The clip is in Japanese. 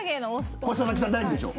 佐々木さん、大事でしょ。